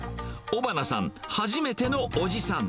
尾花さん、初めてのおじさん。